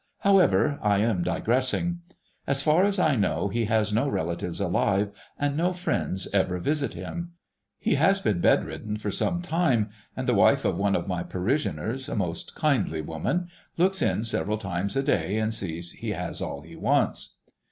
However, I am digressing. As far as I know he has no relatives alive, and no friends ever visit him. He has been bed ridden for some time, and the wife of one of my parishioners, a most kindly woman, looks in several times a day, and sees he has all he wants.